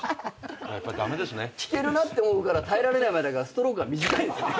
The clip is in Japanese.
聞けるなって思うのから耐えられないまでがストロークが短いですね。